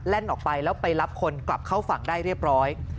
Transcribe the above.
ออกไปแล้วไปรับคนกลับเข้าฝั่งได้เรียบร้อย